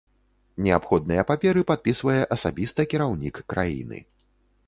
Неабходныя паперы падпісвае асабіста кіраўнік краіны.